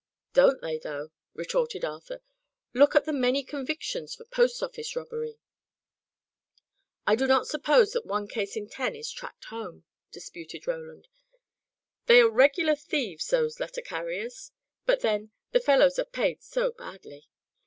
"Don't they, though!" retorted Arthur. "Look at the many convictions for post office robbery!" "I do not suppose that one case in ten is tracked home," disputed Roland. "They are regular thieves, those letter carriers. But, then, the fellows are paid so badly."